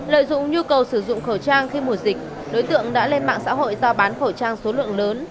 lợi dụng nhu cầu sử dụng khẩu trang khi mùa dịch đối tượng đã lên mạng xã hội giao bán khẩu trang số lượng lớn